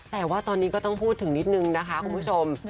แต่ว่าตอนนี้ก็ต้องพูดถึงนิดนึงนะคะคุณผู้ชม